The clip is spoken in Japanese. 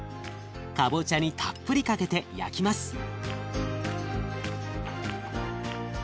かぼちゃにたっぷりかけて焼きます。